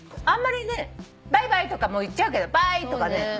あんまりね「バイバイ」とか言っちゃうけど「バーイ」とかね